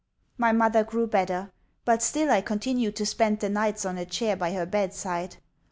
My mother grew better, but still I continued to spend the nights on a chair by her bedside.